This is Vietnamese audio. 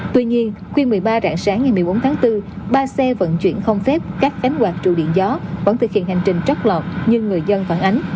tuy nhiên khuyên một mươi ba rạng sáng ngày một mươi bốn tháng bốn ba xe vận chuyển không phép các cánh quạt trụ điện gió vẫn thực hiện hành trình trót lọt nhưng người dân phản ánh